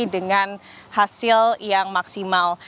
dengan hasil yang maksimal